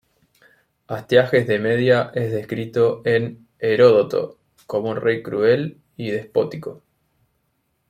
Astiages de Media es descrito en Heródoto como un rey cruel y despótico.